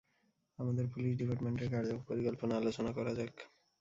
আমাদের পুলিশ ডিপার্টমেন্টের কার্যপরিকল্পনা আলোচনা করা যাক।